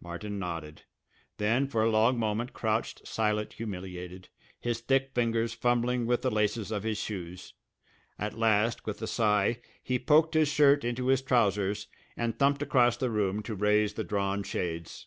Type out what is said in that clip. Martin nodded, then for a long moment crouched silent humiliated, his thick fingers fumbling with the laces of his shoes. At last, with a sigh, he poked his shirt into his trousers and thumped across the room to raise the drawn shades.